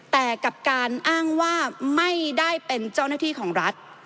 แต่กับการอ้างว่าไม่ได้เป็นเจ้าหน้าที่ของรัฐ